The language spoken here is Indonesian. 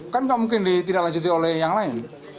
kan gak mungkin ditidaklanjuti oleh yang lain